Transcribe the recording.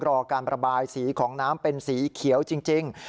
รอการระบายสีของน้ำเป็นสีเขียวจริง